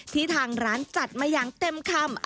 ทางร้านจัดมาอย่างเต็มคำ